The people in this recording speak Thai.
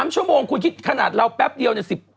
๓ชั่วโมงคุณคิดขนาดเราแป๊บเดียวเนี่ย